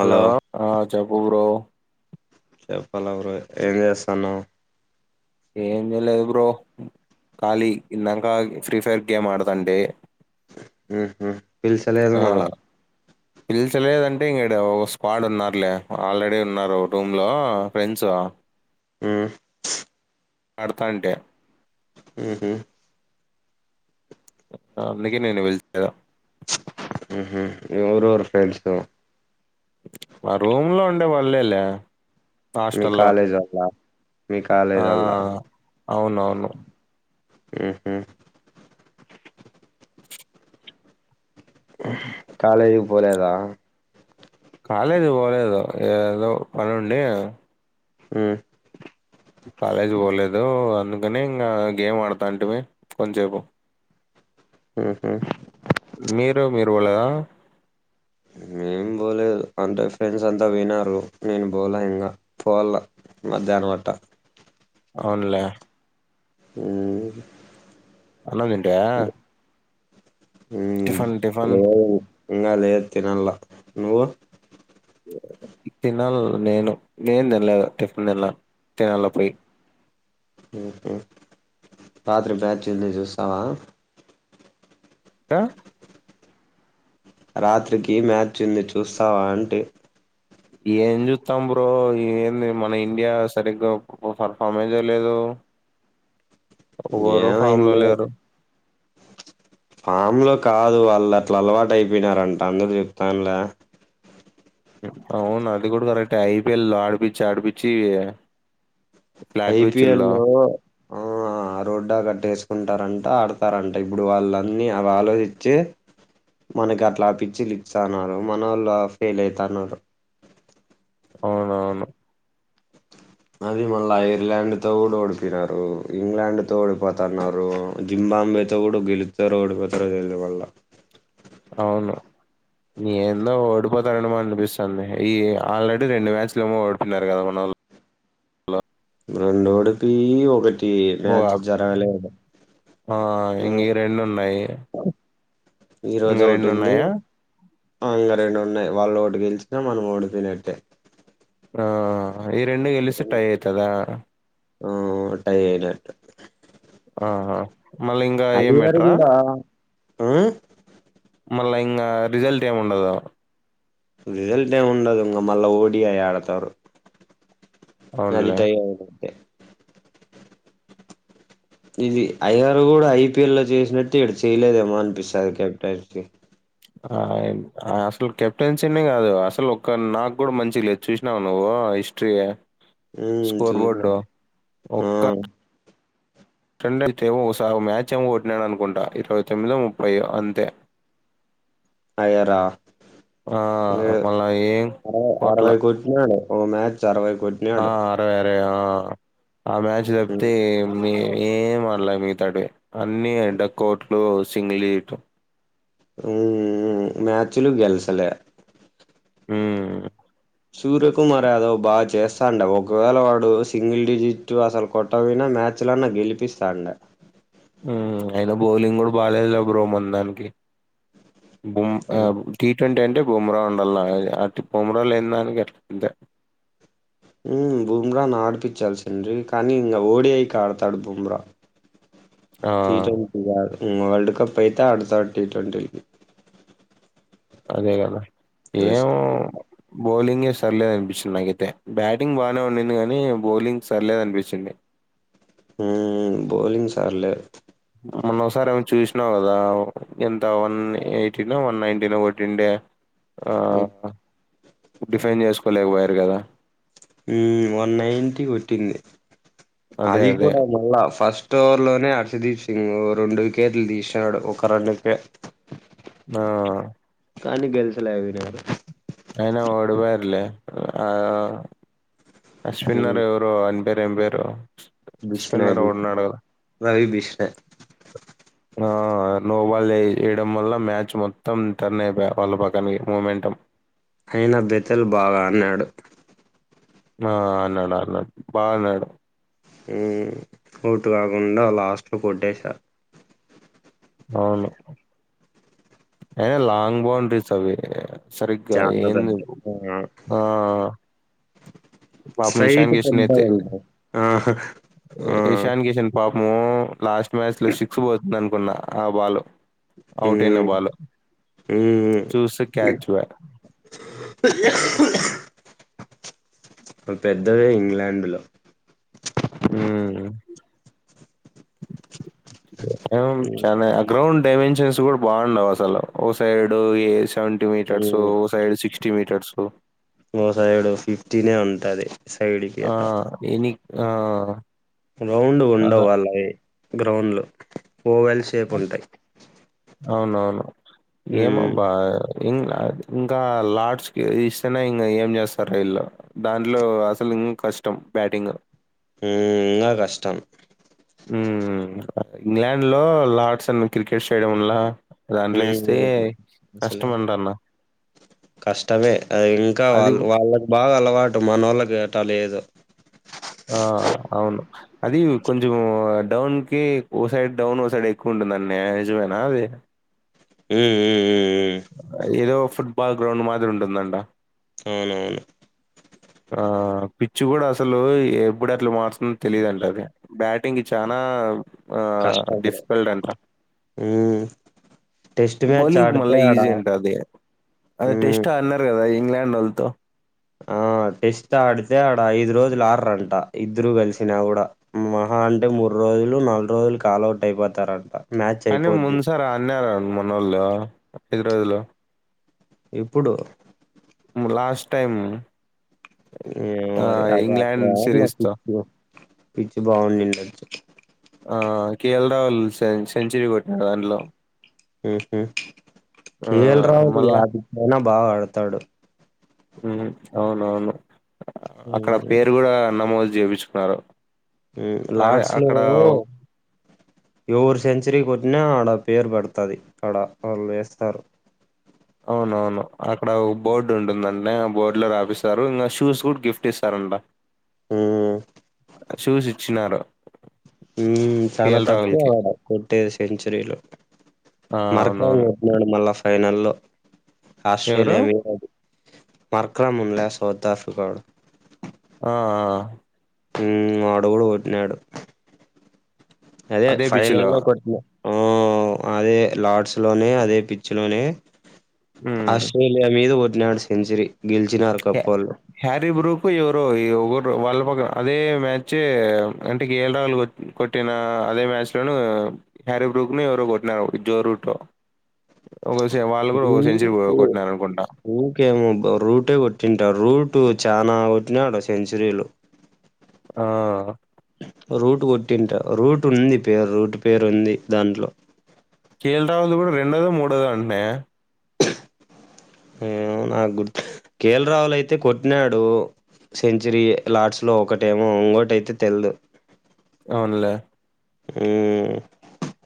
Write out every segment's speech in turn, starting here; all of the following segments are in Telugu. హలో ఆ చెప్పు బ్రో చెప్పాలే బ్రో ఏం చేస్తాన్నవ్ ఏం చేయలేదు బ్రో ఖాలీ ఇందంక ఫ్రీ ఫైర్ గేమ్ ఆడుతంటి మ్ హు పిల్చలెదు మల్ల పిల్చలేదంటే ఇంగ ఈడ ఒక స్క్వాడ్ ఉన్నారులే ఆల్రెడీ ఉన్నారు రూమ్ లో ఫ్రెండ్స్ మ్ ఆడుతాంటే మ్ హు అందుకే నిన్ను పిల్చలే మ్ హు ఎవరేవర్ ఫ్రెండ్సు మా రూమ్ లో ఉండే వాళ్ళెలే మీ కాలేజీజోళ్ల మీ ఆ కాలేజీజోళ్ల అవునవును మ్ హు కాాలేజ్కి పోలేదా కాలేజ్ కు పోలేదు ఏదో పనుండి మ్ కాలేజ్కి పోలేదు అందుకనే ఇంకా గేమ్ ఆడుతాంతటిమీ కొంసేపు మ్ హు మీరు మీరు పోలేదా మేం పోలేదు అంటే ఫ్రెండ్స్ అంతా పోయినారు నేను పోలే ఇంగ పోవల్ల మధ్యాహ్నం అట్ట అవున్లే మ్ మ్ అన్నం తీంటా హ్మ్ టిఫన్ లేదు ఇంగాలేదు తినాల నువ్వు తినాల నేను నేను తినలేదు టిఫన్ తినలే తినాల పోయి మ్ హు రాత్రి మ్యాచ్చుంది చూస్తావా ఆ రాత్రికి మ్యాచ్ ఉంది చూస్తావా అంటి ఏం చూస్తాం బ్రో ఏంది మన ఇండియా సరిగ్గా ఒక పర్ఫామేజెలేదు లో ఏమైందో లేరు ఫామ్ లో కాదు వాళ్ళట్ల అలవాటు అయిపోయినారంట అందరు చెప్తాన్ల అవును అది కూడా కరెక్టే ఐపిఎల్ ఆడిపిచ్చి ఆడిపిచ్చి ఫ్లాట్ ఐపిఎల్ పిచ్చిల్లో లో ఆ ఆ రోడ్డా కట్టేసుకుంటారంట ఆడతారంట ఇప్పుడు వాళ్ళన్నీ అవి ఆలోచించి మనకి అట్లా పిచ్చిలు ఇస్తన్నారు మనోల్ల ఫెయిల్ అవుతన్నారు అవును అది మల్ల ఐర్లాండ్ తో కూడా ఓడిపోయినారు ఇంగ్లాండ్ తో ఓడిపోతాన్నారు జింబాంబె తో కూడా గెలుస్తారో ఓడిపోతారో తెలీదు మల్లా అవును ఏందో ఓడిపోతారేమో అనిపిస్తుంది ఈ ఆల్రెడీ రెండు మ్యాచ్లు ఏమో ఓడిపోయినారు కదా మనవాళ్ళు రెండు ఓడిపోయి ఒకటి ఇ ఓ మ్యాచ్ జరగలేదు ఆ ఇంగ ఈ రెండు ఉన్నాయి ఈ ఇంగ రోజు ఒకటి రెండు ఉంది ఉన్నాయా ఆ ఇక రెండు ఉన్నాయి వాళ్ళు ఒకటి గెలిచినా మనం ఓడిపోయినట్టే ఆ ఈ రెండు గెలిస్తే టై అయితాదా ఆ టైఐనట్ట ఆహా మలింగా అయ్యర్ కూడా ఆ మళ్ళా ఇంకా రిజల్ట్ ఏమి ఉండదు రిజల్ట్ ఏమి ఉండదు ఇంకా మళ్ళా ఓడిఐ ఆడతారు అది అవునులే టై తే ఇది అయ్యర్ కూడా ఐపిఎల్ లో చేసినట్టు ఈడ చేయలేదేమో అనిపిస్తుంది కెప్టెన్ కి ఆ అసలు కెప్టెన్సీనే కాదు అసలు ఒక నాకు కూడా మంచి లేదు చూసినావు నువ్వు ఇష్ ట్రీ ఉమ్ స్కోర్ చూసిన బోర్డు ఆ ఒక్క రెండు అయితే ఒకసారి ఒక మ్యాచ్ ఏమో కొట్టినారు అనుకుంటా ఇరవై తొమ్మిదో ముప్పై అంతే అయ్యారా ఆ అ మళ్ళా ఏం ఆరవై కోట్ల అరవై కో ఓ మ్యాచ్ అర వై కోట్ ఆ అరవై అరవై ఆ ఆ మ్యాచ్ ఉమ్ తబితే మీ ఏ మనల మీ తడి అన్ని ఎంట కోట్లు సింగిల్ ఇటు మ్యాచులు గెలసలే ఊ సూర్యకుమార్ యాదవ్ బాగా చేస్తాండ ఒకవేళ వాడు సింగిల్ డిజిట్ అసలు కొ కొట్టకపోయిన మ్యాచ్లన్న గెలిపిస్తాండే ఉమ్ అయినా బౌలింగ్ కూడా బాగాలేదు లే బ్రో మన దానికి ఆ టీ ట్వంటీ అంటే బుమ్రా ఉండాల అట్టి బొమ్రా లేని దానికి అంతే హ్మ్ బుమ్రాని ఆడిపిచ్చాల్సిండ్రి కానీ ఇంకా ఓడిఐకి ఆడతాడు బుమ్రా ఆ టీ ట్వంటీగా వరల్డ్ కప్ అయితే ఆడతాడు టీ ట్వంటీకి అదే కదా ఏం రెస్ట్ బౌలింగే సర్లేదు అనిపిించింది నాకైతే బ్యాటింగ్ బాగానే ఉన్నింది కాగానీ బౌలింగ్ సర్లేదు అనిపించింది బౌలింగ్ సర్లే మొన్న ఒకసారి ఏమో చూసినావు కదా ఎంత వన్ ఎయిటీనో వన్ నైన్టీనో కొట్టిండే ఆ డిఫైండ్ చేసుకోలేకపోయారు కదా వన్ నైటీ కొట్టింది అదే అది అదే కూడా మళ్ళా ఫస్ట్ స్టోర్ లోనే హర్షదీప్ సింగ్ రెండు వికెట్లు తీసినాడు ఒక రన్ కే ఆ కానీ గెలిచలే వినోద్ అయినా ఓడుపోరులే ఆ ఉమ్ స్పిన్నర్ ఇ అన్ని పేరు ఏం పేరు స్పిన్నర్ ఉన్నడు రవివిష్ణ ఆ నో బాల్ వేయడం వల్ల మ్యాచ్ మొత్తం టర్న్ అయిపో వాళ్ళ పక్కనికి మూమెంట్ అయినట్టయితది బాగా అడ్నాడు ఆ అడ్నా డు అడ్నాడు బా అడ్నాడు ఉ టు కాకుండా అస్ట్లోటెసారు అవును హె అది లాంగ్ బౌండ్రీస్ అవి సరిగ్గా చాలా పెద్ద ఏందివు ఆ పాపం ఈశాన్ స్ట్రైట్ కిషన్ పెద్దగా అయితే ఉంటాయి ఆ ఆ ఇశాన్ కిషన్ పాపము లాస్ట్ మ్యాచ్ లో సిక్స్ పోతుంది అనుకున్న ఆ బాల్ అవుటయిన మ్మ్ బాలు మ్మ్ చూసి క్యాచ్ పెద్దవే ఇంగ్లాండ్ లో ఉ ఎ చెన గ్రౌండ్ డైమెన్షన్స్ కూడ బాగుండవు అసలు ఓ సైడ్ ఏ సెవెంటీ మీటర్స్ మ్మ్ సైడ్ సిక్స్టీ మీటర్స్ ఓ సైడు ఫిఫ్టీనే ఉంటది సైడ్ కి ఆ అట ఇవి ఆ గ్రౌండ్ ఉండవు అలా వాళ్లవి గ్రౌండ్లు ఓవల్ షేప్ ఉంటాయి అవునవును మ్మ్ ఏమబ్బా ఇం ఇంకా లార్డ్స్ కి ఇస్తేనే ఇంకా ఏం చేస్తారు రీల్లు దాంట్లో అసలు ఇం కష్టం బ్యాటింగ్ ఉ ఆ కష్టం ఉ ఇంగ్లాండ్ లో లార్డ్స్ అండ్ క్రికెట్ స్టేడియంలా ఉ సలే అంట అన్న కష్టమే అది ఇంకా అది వాళ్ళ వాళ్ళకి బాగా అలవాటు మనోళ్ళకి అట్ట లేదు ఆ అవును అది కొంచెం డౌన్ కి ఓ సైడ్ డౌన్ ఓ సైడ్ ఎక్కువ ఉంటుందండి నిజమేనా అది ఉఉ ఉఉ ఏదో ఫుట్బాల్ గ్రౌండ్ మాదిరి ఉంటందంట అవునవును ఆ పిచ్చి కూడా అసలు ఎప్పుడు ఎట్ల మారుతుందో తెలియదంట అది బ్యాటింగ్ చనా కష్టంగా డిఫికల్ట్ అంట హ్మ్ టెస్ట్ మ్యాచ్ బౌలింగ్ కు మళ్ల ఆడితే ఆడ ఈజీ ఉంటాది అ హ్మ్ టెస్ట్ ఆడినప్ కదా ఇంగ్లండోళతో ఆ టెస్ట్ ఆడితే ఆడ ఐదు రోజులు ఆడ్రంట ఇద్దరు కలిసినా కూడా మహా అంటే మూడు రోజులు నాలుగు రోజులు కాల్వట్ అయిపోతారంట మ్యాచ్ కానీ అయిపోద్ది. ముందుసార అడ్నారు మనోళ్ళు హైదరాబాద్ లో ఇప్పుడు లాస్ట్ టైం ఏమో ఆ మరి అది అక్క ఇంగ్లాండ్ రావ నా సిరీస్ తో పిచ్చి పిచ్చి బాగుండింది అ ఆ కేఎల్ రావుల్ సెంచరీ కొట్టిర్ దాంట్లో ఉహు ఆ కేల్ రాహుల్ మళ్ళా యాదవ్ బాగా ఆడతడు ఉహు అవునవును అక్కడ హ్మ్ పేరు కూడా నమోదు చేపించుకున్నరు ఉమ్ లాడ్స్లో ఎవరు సెంచరీ కొట్టినా ఆడ పేరు పడుతది అక్కడ వాళ్ళు వేస్తారు అవునవును అక్కడ ఒక బోర్డు ఉంటుందంటడి ఆ బోర్డు లో రాపిస్తారు ఇంకా షూస్ కూడా గిఫ్ట్ ఇస్తారంట హ్మ్. ఆ షూసిచ్చినారు ఉమ్ చాలా తక్కువ కి అడ కొట్టేది సెంచరీలో ఆ మరక అవునవును నాడు మళ్ళా ఫైనల్ల్లో ఎవరు ఆస్ట్రేలియా మీ అది మక్రమున్ల సౌతఫికడు ఆ ఉమ్ అడగుడ కొట్టినాడు అదే పిచ్ లో ఫైనల్లో కొట్టినా ఆ అదే లార్డ్స్లోనే అదే పిచ్ లోనే మ్మ్ అశ ఇల్ల మీద ఒకటినాడు సెంచురీ గెలిచినారు కప్ప వాళ్ళు హ్యారీ బ్రూకు ఎవరో ఈ ఒకరు వాళ్ళ పక్క అదే మ్యాచ్ అంటే కేల్ రాహుల్ కోట్ కొట్టిన అదే మ్యాచ్లోనుూ హ్యారీ బ్రూక్ ను ఎవరో కొట్టినారు జో రూటో ఒక సే వాళ్ళు కూడా ఒక సెంచురీ కొట్నారనుకుంటా కేమో రూటే కొట్టింట రూటు చానా కొట్టినాడు సెంచురీలు ఆ రూటు కొట్టింట రూట్ ఉంది పేరు రూటు పేరు ఉంది దాంట్లో కేల్ రాహుల్ కూడా రెండవదా మూడోదా అంటే ఏమో నాకు గుర్తు కేల్ రాహుల్ అయితే కొట్టినాడు సెంచరీ లార్డ్స్ లో ఒకటేమో ఇంకోటి అయితే తెలిదు అవునలే ఉమ్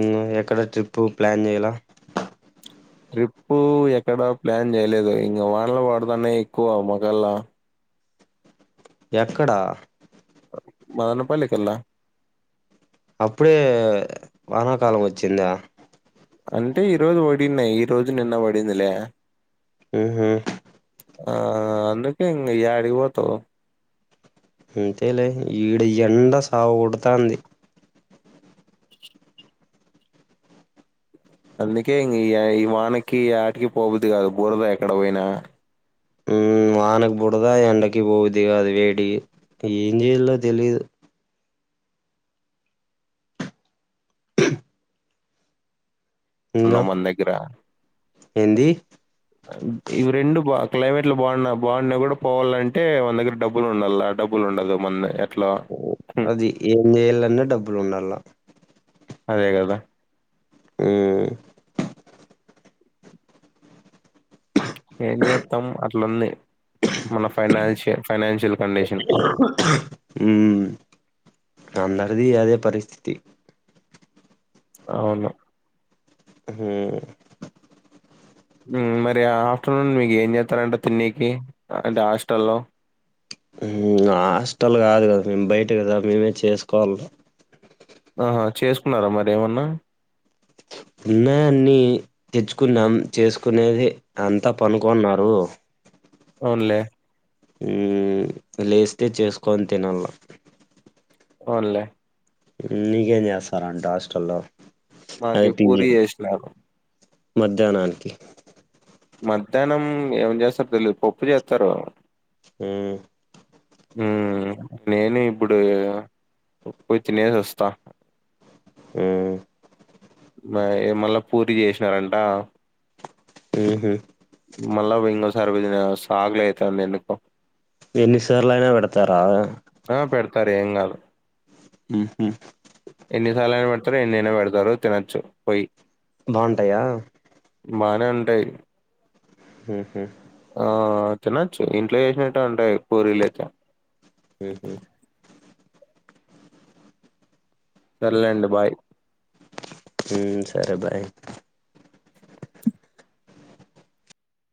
ఉమ్ ఎక్కడ ట్రిప్పు ప్లాన్ చేయాల ట్రిప్పు ఎక్కడా ప్లాన్ చేయలేదు ఇంగ వానలపడదనే ఎక్కువ మొకల్లా ఎక్కడ మదన పల్లికల్ అప్పుడే వానాకాలం వచ్చిందా అంటే ఈ రోజు పడినాయి ఈ రోజు నిన్న పడిందిలే ఉహు ఆ అందుకే ఇంగ యాడికి పోతవ్ అంతేలే ఈడ ఎండ సావకొడుతంది అందుకే ఇంగ ఈ వానకి యాడికి పోబుద్ది కాదు బోరలో ఎక్కడ పోయినా ఉమ్ వానకి బుడదా ఎండకి పోబుద్ది కాదు వేడి ఏం చేయాలో తెలిదు ఇంగా ఉన్న మందగ్గర ఏంది ఇవి రెండు బా క్లైమేట్లు బాగున్నా బాగున్నాయి కూడా పోవాలి అంటే వాన దగ్గర డబ్బులు ఉండాల డబుల్ ఉండదు మంద అది ఏం చేయాలన్న డబ్బులు ఉండాల అదే కద ఉమ్ ఏం చేస్తాం అట్లుంది మన ఫైనాన్షయ ఫైనాన్షియల్ కండిషన్ ఉమ్ అందరిది అదే పరిస్థితి అవును హు మరి ఆఫ్టర్నూన్ మీకు ఏం చేస్తారంట తిన్నికి అంటే హాస్టల్లో ఉమ్ హాస్టల్ కాదు కదా మేము బయట కదా మేమే చేసుకోవాలం ఆహా చేసుకున్నార మరి ఏమన్న ఉన్నాయాన్ని తెచ్చుకున్నాం చేసుకునేది అంతా పనుకున్నారు అవున్ లే లేస్తే చేసుకొని తినాల అవున్లే నీకేం చేస్తారంట హాస్టల్లో మాకి అదే తిన్ పూరి చేసినారు మధ్యాహ్న నానికి మధ్యాహ్నం ఏమం చేస్తారు తెలిదు పప్పు చేస్తారు హు హు నేను ఇప్పుడు పోయి తినేసి వస్తా ఉ మ మల్ల పూరి చేసినాడు అంట ఊహు మళ్ళా వింగోసారిపో సాగులు అయితాంది ఎందుకో ఎన్నిసార్లు అయిన పెడతార ఆ పెడతారు ఏం కాదు ఉహు ఎన్ని సార్లునైన పెడతారు ఎన్ని అయినా పెడతారు తినొచ్చు పోయి బాగుంటయా బానే ఉంటయి హుహు ఆ తినొచ్చు ఇంట్లో చేసినట్టు ఉంటాయి పూరీలు అయితే ఉహు సర్లే అండి బాయ్ ఉమ్ సరే బాయ్